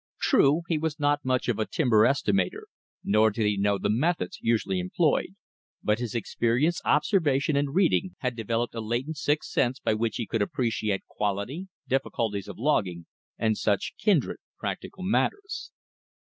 True, he was not much of a timber estimator, nor did he know the methods usually employed, but his experience, observation, and reading had developed a latent sixth sense by which he could appreciate quality, difficulties of logging, and such kindred practical matters.